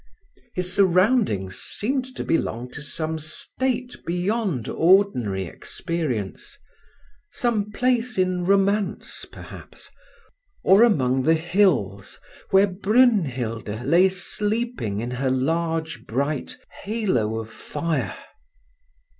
His surroundings seemed to belong to some state beyond ordinary experience—some place in romance, perhaps, or among the hills where Brünhild lay sleeping in her large bright halo of fire.